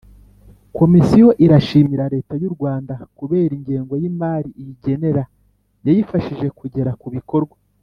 Komisiyo irashimira leta y u rwanda kubera ingengo y imari iyigenera yayifashije kugera ku bikorwa